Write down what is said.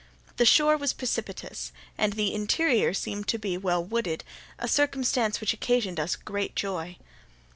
The shore was precipitous, and the interior seemed to be well wooded, a circumstance which occasioned us great joy.